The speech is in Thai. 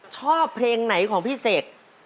ชอบเพลงไหนของพี่เสก